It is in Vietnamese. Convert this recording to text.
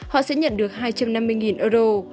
họ sẽ nhận được hai trăm năm mươi euro